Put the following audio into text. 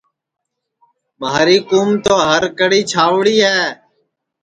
مھاری کُُوم تو ہر کڑھی چاوی ہے